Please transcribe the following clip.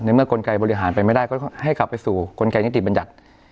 เมื่อกลไกบริหารไปไม่ได้ก็ให้กลับไปสู่กลไกนิติบัญญัติ